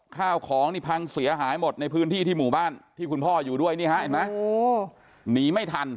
ข้าวของนี่พังเสียหายหมดในพื้นที่ที่หมู่บ้านที่คุณพ่ออยู่ด้วยนี่ฮะเห็นไหมหนีไม่ทัน